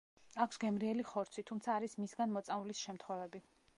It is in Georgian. აქვს გემრიელი ხორცი, თუმცა არის მისგან მოწამვლის შემთხვევები.